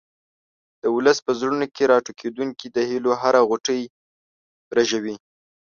د ولس په زړونو کې راټوکېدونکې د هیلو هره غوټۍ رژوي.